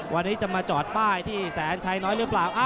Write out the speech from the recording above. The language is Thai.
วันนี้จะมาจอดป้ายที่แสนชัยน้อยหรือเปล่า